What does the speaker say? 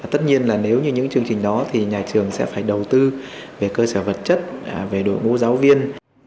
tất nhiên là nếu như những chương trình đó thì nhà trường sẽ phải đầu tư về cơ sở vật chất về đội ngũ giáo viên